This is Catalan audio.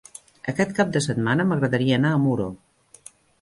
Aquest cap de setmana m'agradaria anar a Muro.